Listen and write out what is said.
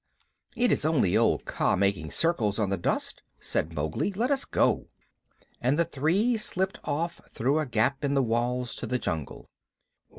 "It is only old Kaa making circles on the dust," said Mowgli. "Let us go." And the three slipped off through a gap in the walls to the jungle.